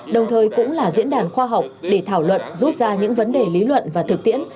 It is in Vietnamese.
đồng thời cũng là diễn đàn khoa học để thảo luận rút ra những vấn đề lý luận và thực tiễn